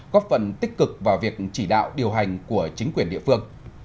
góp phần tích cực vào việc chỉ đạo điều hành của chính quyền địa phương